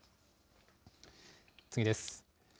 次です。